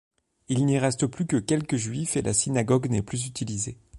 Il n'y reste plus que quelques juifs et la synagogue n'est plus utilisée.